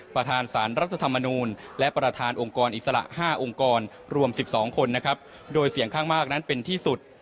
ประธานสารรัฐธรรมนูลและประธานองค์กรอิสระ๕องค์กรรวม๑๒คนนะครับโดยเสียงข้างมากนั้นเป็นที่สุด